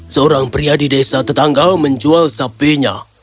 seorang pria di desa tetangga menjual sapinya